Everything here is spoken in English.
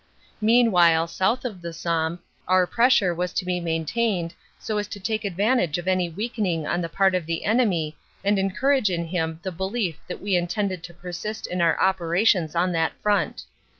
"Meanwhile, south of the Somme, our pressure was to be maintained, so as to take advantage of any weakening on the part of the enemy and encourage in him the belief that we intended to persist in our operations on that front.